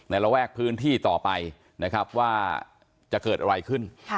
ในระแวกพื้นที่ต่อไปว่าจะเกิดอะไรขึ้น